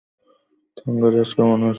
থাঙ্গারাজ, কেমন আছ?